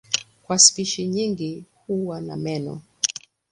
Kwa spishi nyingi huwa na meno.